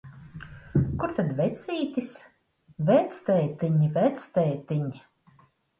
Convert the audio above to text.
Kur tad vecītis? Vectētiņ, vectētiņ!